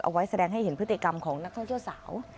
แสดงให้เห็นพฤติกรรมของนักท่องเที่ยวสาว